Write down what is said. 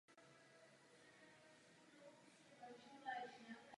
Mezinárodní proces musíme posunout kupředu.